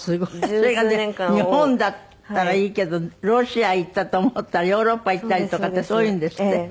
それがね日本だったらいいけどロシア行ったと思ったらヨーロッパ行ったりとかってそういうのですって？